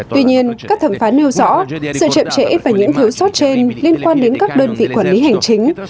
tuy nhiên các thẩm phán nêu rõ sự chậm trễ và những thiếu sót trên liên quan đến các đơn vị quản lý hành chính